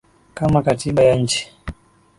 kama katiba ya nchi